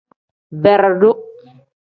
Beredu.